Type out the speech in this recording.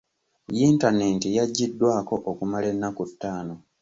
Yintaneeti yaggiddwako okumala ennaku ttaano.